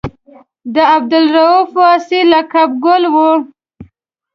د عبدالرؤف واسعي لقب ګل و.